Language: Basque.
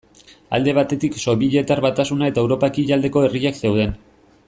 Alde batetik Sobietar Batasuna eta Europa ekialdeko herriak zeuden.